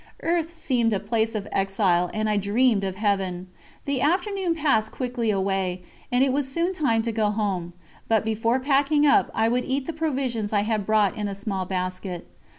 Earth seemed a place of exile, and I dreamed of Heaven. The afternoon passed quickly away, and it was soon time to go home, but before packing up I would eat the provisions I had brought in a small basket.